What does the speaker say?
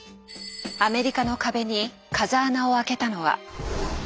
アメリカの壁に風穴を開けたのは。